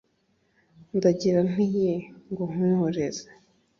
ndagira nte yeee, ngo nkwihoreze